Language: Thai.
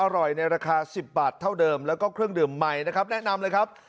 ในราคา๑๐บาทเท่าเดิมแล้วก็เครื่องดื่มใหม่นะครับแนะนำเลยครับ